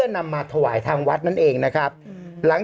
โอเคโอเคโอเคโอเค